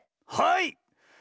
はい！